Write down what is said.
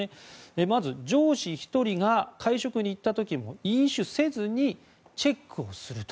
まず、上司１人が会食に行った時も飲酒せずにチェックをすると。